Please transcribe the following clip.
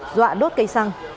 dọa đốt cây xăng